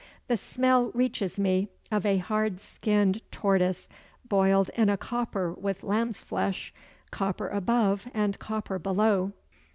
The smell reaches me of a hard skinned tortoise boiled in a copper with lamb's flesh copper above and copper below."